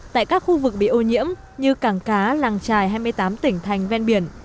tại các khu vực bị ô nhiễm như cảng cá làng trài hai mươi tám tỉnh thành ven biển